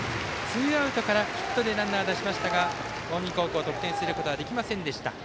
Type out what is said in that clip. ツーアウトからヒットでランナーを出しましたが近江高校、得点することはできませんでした。